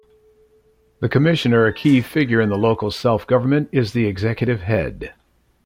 The Commissioner, a key figure in the local self-government, is the executive head.